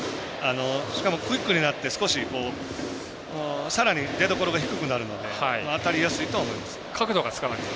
しかも、クイックになって少しさらに出どころが低くなるので当たりやすいとは思います。